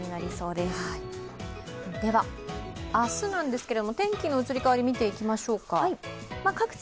では明日なんですけれども、天気の移り変わり、見ていきましょうか各地